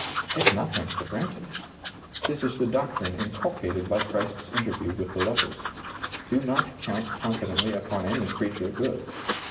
Take nothing for granted: this is the doctrine inculcated by Christ's interview with the lepers. Do not count confidently upon any creature good.